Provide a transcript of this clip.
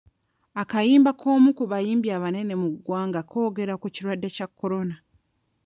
Akayimba k'omu ku bayimbi abanene mu ggwanga koogera ku kirwadde kya Corona.